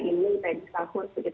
masih tidak terlalu panjang